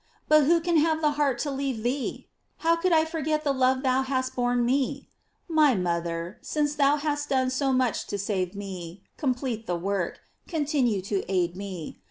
But who could have the heart to leave thee ? How could I forget the love thou hast borne me ? My mother, since thou hast done so much to save me, complete the work ; continue to aid me.